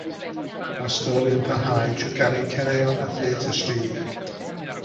Mae'r stori yn parhau trwy ganu caneuon a theatr stryd.